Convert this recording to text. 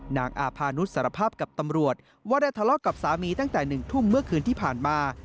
อาพานุษย์สารภาพกับตำรวจว่าได้ทะเลาะกับสามีตั้งแต่๑ทุ่มเมื่อคืนที่ผ่านมา